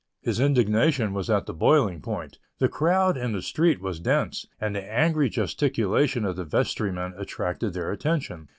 His indignation was at the boiling point. The crowd in the street was dense, and the angry gesticulation of the vestryman attracted their attention.